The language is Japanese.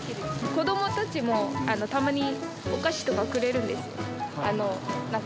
子どもたちもたまにお菓子とかくれるんです。